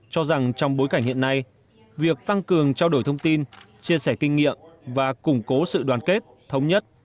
cho rằng trong bối cảnh hiện nay việc tăng cường trao đổi thông tin chia sẻ kinh nghiệm và củng cố sự đoàn kết thống nhất